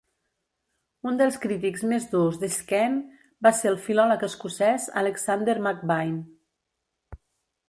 Un dels crítics més durs d'Skene va ser el filòleg escocès Alexander Macbain.